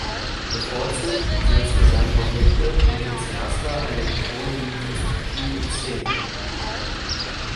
Bevorzugt setzt er seine Objekte mittels Raster-Elektronen-Mikroskopie in Szene.